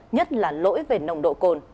nhất là lỗi về nồng độ cồn